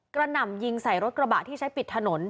หน่ำยิงใส่รถกระบะที่ใช้ปิดถนน